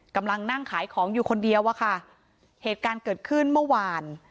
กำลังนั่งขายของอยู่คนเดียวอะค่ะเหตุการณ์เกิดขึ้นเมื่อวาน